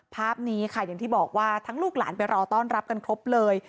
ภาพนี้ค่ะอย่างที่บอกว่าทั้งลูกหลานไปรอต้อนรับกันครบเลย